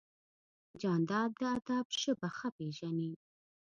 جانداد د ادب ژبه ښه پېژني.